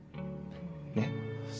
ねっ？